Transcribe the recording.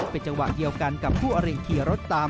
เป็นจังหวะเดียวกันกับคู่อริขี่รถตาม